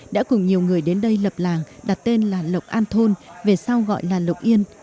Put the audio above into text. đã cùng nhiều người đến đây lập làng đặt tên là lộc an thôn về sau gọi là lộc yên